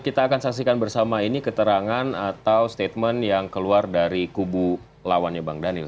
kita akan saksikan bersama ini keterangan atau statement yang keluar dari kubu lawannya bang daniel